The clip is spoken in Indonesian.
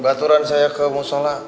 gaturan saya ke musola